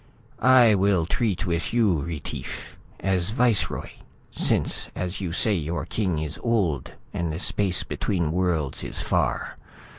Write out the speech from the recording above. "I will treat with you, Retief, as viceroy, since as you say your king is old and the space between worlds is far.